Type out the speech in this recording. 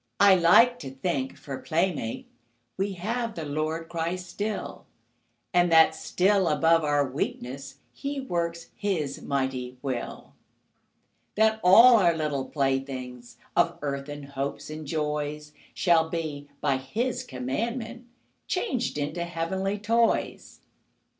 I like to think, for playmate We have the Lord Christ still, And that still above our weakness He works His mighty will, That all our little playthings Of earthen hopes and joys Shall be, by His commandment, Changed into heavenly toys.